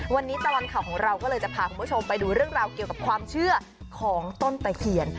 วันนี้ตลอดข่าวของเราก็เลยจะพาคุณผู้ชมไปดูเรื่องราวเกี่ยวกับความเชื่อของต้นตะเคียน